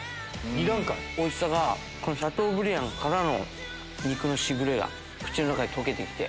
おいしさがシャトーブリアンからの肉の時雨が口の中に溶けて来て。